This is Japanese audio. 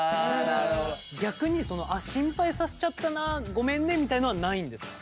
逆に心配させちゃったなごめんねみたいのはないんですか？